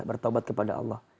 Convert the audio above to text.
bertobat kepada allah